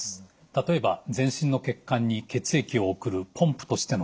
例えば全身の血管に血液を送るポンプとしての心臓。